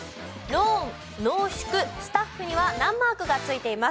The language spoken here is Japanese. ローン濃縮スタッフには難マークが付いています。